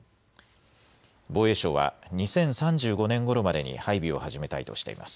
防衛省は２０３５年ごろまでに配備を始めたいとしています。